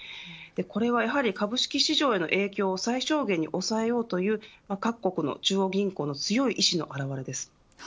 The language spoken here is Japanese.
これはやはり株式市場への影響を最小限に抑えようという各国の中央銀行の強い意思の表れです。